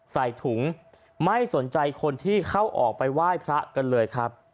ใส่ถุงไม่สนใจคนที่เข้าออกไปไหว้พระกันเลยครับ